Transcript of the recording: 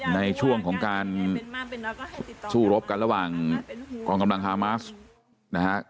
ในช่วงของการสู้รบกันระหว่างกองกำลังฮามาสนะฮะ